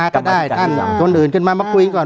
การแสดงความคิดเห็น